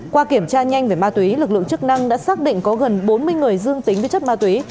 qua kiểm tra nhanh về ma túy lực lượng chức năng đã xác định có gần bốn mươi người dương tính với chất ma túy